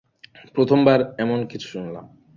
প্রথমবার এমন কিছু শুনলাম।